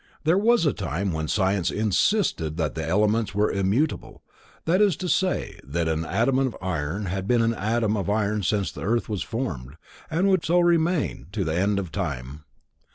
There was a time when science insisted that the elements were immutable, that is to say, that an atom of iron had been an atom of iron since the earth was formed and would so remain to the end of time.